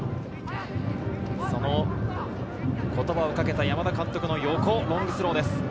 この言葉をかけた山田監督の横、ロングスローです。